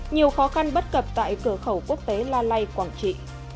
nhiều khó khăn bất cập tại cửa khẩu quốc tế la lai quảng trị